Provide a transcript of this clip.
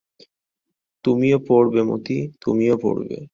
তুমিও পড়বে মতি, তুমিও পড়বে।